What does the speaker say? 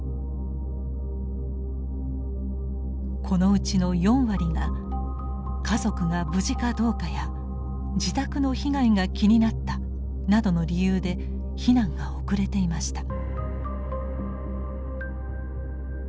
このうちの４割が家族が無事かどうかや自宅の被害が気になったなどの理由で避難が遅れていました。